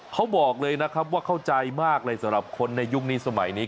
เขาบอกเลยนะครับว่าเข้าใจมากเลยสำหรับคนในยุคนี้สมัยนี้